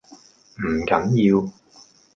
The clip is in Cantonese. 唔緊要